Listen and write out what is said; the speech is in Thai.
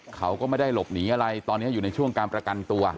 เขาก็ไม่ได้หลบหนีอะไรตอนนี้อยู่ในช่วงการประกันตัว